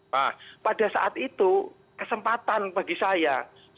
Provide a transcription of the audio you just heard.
nah pada saat itu kesempatan bagi saya